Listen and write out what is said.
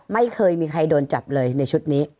ไม่เคยมีใครโดนจับเลยในชุดนี้